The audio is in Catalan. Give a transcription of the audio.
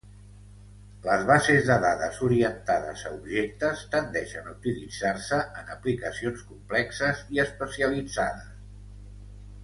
Les bases de dades orientades a objectes tendeixen a utilitzar-se en aplicacions complexes i especialitzades.